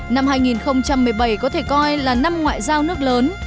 năm hai nghìn một mươi bảy có thể coi là năm ngoại giao nước lớn